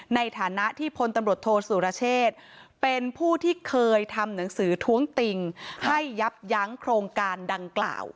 ในฐานะที่พลตำรวจโทษสุรเชษเป็นผู้ที่เคยทำหนังสือท้วงติงให้ยับยั้งโครงการดังกล่าว